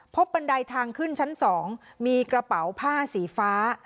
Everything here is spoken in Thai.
บันไดทางขึ้นชั้น๒มีกระเป๋าผ้าสีฟ้า